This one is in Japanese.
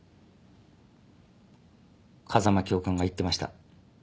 風間教官が言ってました。